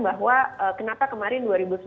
bahwa kenapa kemarin dua ribu sembilan belas